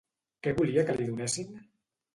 Què volia que li donessin?